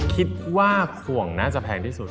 คิดว่าห่วงน่าจะแพงที่สุด